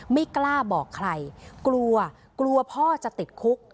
ไม่กล้าบอกใครกลัวกลัวพ่อจะติดคุก